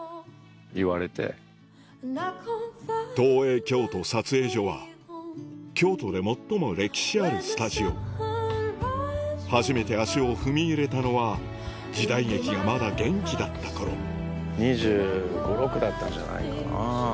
東映京都撮影所は京都で最も歴史あるスタジオ初めて足を踏み入れたのは時代劇がまだ元気だった頃２５２６歳だったんじゃないかな。